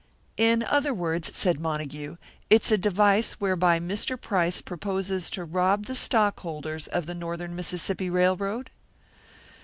"In other words," said Montague, "it's a device whereby Mr. Price proposes to rob the stockholders of the Northern Mississippi Railroad?"